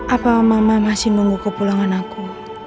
apa mama masih nunggu ke pulangan aku